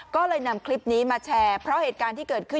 ก็เลยนำคลิปนี้มาแชร์เพราะเหตุการณ์ที่เกิดขึ้น